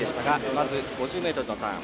まず５０ｍのターン。